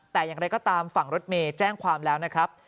แต่อย่างไรก็ตามฝั่งรถเมย์แจ้งความแล้วนะครับ